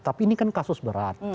tapi ini kan kasus berat